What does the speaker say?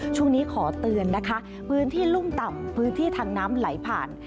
ช่วงนี้ขอเตือนนะคะพื้นที่รุ่มต่ำพื้นที่ทางน้ำไหลผ่าน